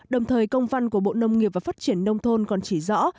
đồng thời công văn của bộ nông nghiệp và phát triển nông thôn còn chỉ rõ